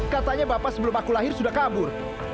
katanya bapak sebelum aku lahir sudah kabur